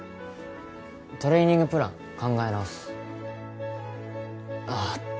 トレーニングプラン考え直すあっ